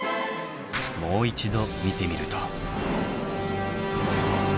もう一度見てみると。